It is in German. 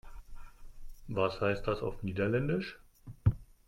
Was heißt das auf Niederländisch?